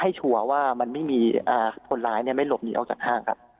ชัวร์ว่ามันไม่มีคนร้ายไม่หลบหนีออกจากห้างครับ